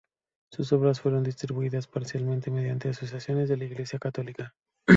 Sus obras fueron distribuidas principalmente mediante asociaciones de la Iglesia católica.